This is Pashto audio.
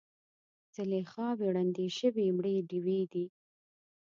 زلیخاوې ړندې شوي مړې ډیوې دي